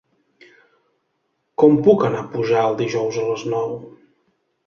Com puc anar a Pujalt dijous a les nou?